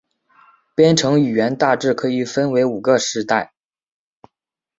编程语言大致可以分为五个世代。